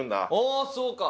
ああそうか。